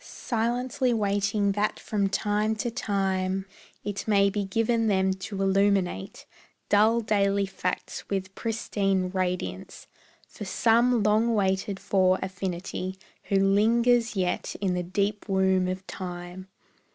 Silently waiting that from time to time It may be given them to illuminate Dull daily facts with pristine radiance For some long waited for affinity Who lingers yet in the deep womb of time.